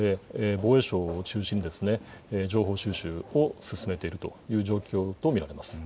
防衛省を中心に情報収集を進めているという状況と見られます。